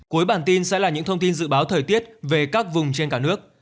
cuối bản tin sẽ là những thông tin dự báo thời tiết về các vùng trên cả nước